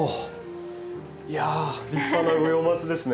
いや立派な五葉松ですね。